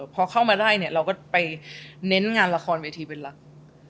พอเข้ามาได้เราก็เน้นวิธีละครเป็นลักษณ์